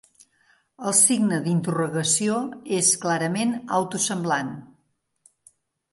El signe d'interrogació és clarament auto-semblant.